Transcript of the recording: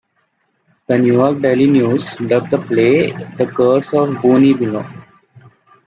The "New York Daily News" dubbed the play the "Curse of the Boonebino".